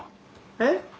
えっ？